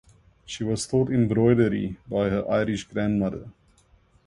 She was taught embroidery by her Irish grandmother.